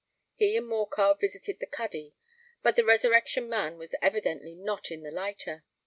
He and Morcar visited the cuddy; but the Resurrection Man was evidently not in the lighter.